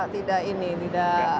tidak ini tidak agak